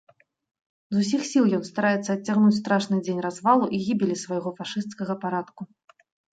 З усіх сіл ён стараецца адцягнуць страшны дзень развалу і гібелі свайго фашысцкага парадку.